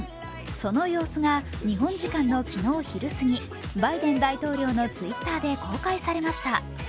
その様子が日本時間の昨日昼過ぎ、バイデン大統領のＴｗｉｔｔｅｒで公開されました。